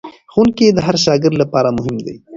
ښوونکی د هر شاګرد لپاره مهم دی.